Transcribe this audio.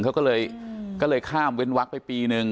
เค้าก็เลยคล่ามเว้นวักเป็นปีหนึ่ง